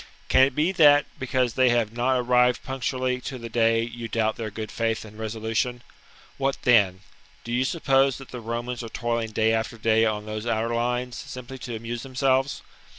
Can it be that, because they have not arrived punctu ally to the day, you doubt their good faith and resolution ? What then ? Do you suppose that the Romans are toiling day after day on those outer lines, simply to amuse themselves